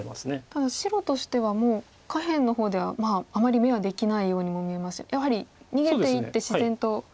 ただ白としてはもう下辺の方ではあまり眼はできないようにも見えますしやはり逃げていって自然と。